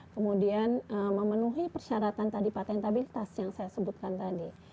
kemudian memenuhi persyaratan tadi patentabilitas yang saya sebutkan tadi